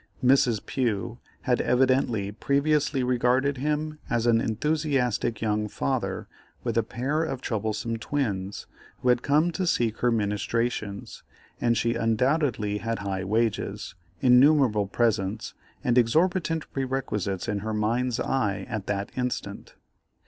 Mrs. Pugh had evidently previously regarded him as an enthusiastic young father with a pair of troublesome twins, who had come to seek her ministrations, and she undoubtedly had high wages, innumerable presents, and exorbitant perquisites in her mind's eye at that instant.